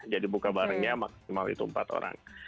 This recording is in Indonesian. jadi buka barengnya maksimal itu empat orang